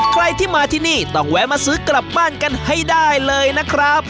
ใครที่มาที่นี่ต้องแวะมาซื้อกลับบ้านกันให้ได้เลยนะครับ